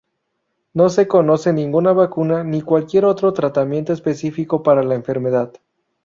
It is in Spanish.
No se conoce ninguna vacuna ni cualquier otro tratamiento específico para la enfermedad.